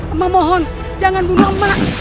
emak mohon jangan bunuh emak